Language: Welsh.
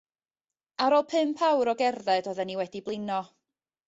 Ar ôl pump awr o gerdded oeddan ni wedi blino.